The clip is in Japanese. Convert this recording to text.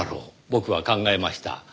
僕は考えました。